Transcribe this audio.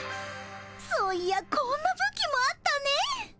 そういやこんなぶきもあったねぇ。